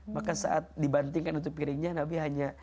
maka saat dibantingkan untuk piringnya nabi hanya